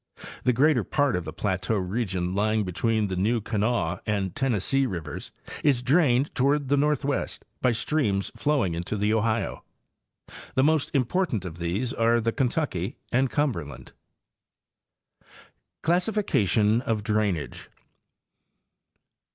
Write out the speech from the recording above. The greater part of the plateau region lying between the New Kanawha and Tennessee rivers is drained toward the northwest by streams flowing into the Ohio. The most important of these are the Kentucky and Cumberland. ' CLASSIFICATION OF DRAINAGE.